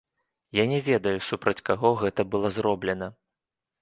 Я не ведаю, супраць каго гэта было зроблена.